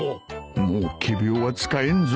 もう仮病は使えんぞ